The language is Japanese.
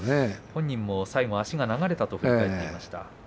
本人も最後足が流れたと振り返っていました。